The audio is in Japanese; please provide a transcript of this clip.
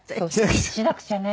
「しなくちゃね」